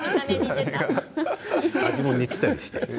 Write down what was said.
味も似ていたりして。